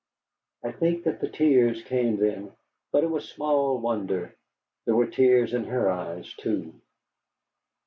I think that the tears came then, but it was small wonder. There were tears in her eyes, too.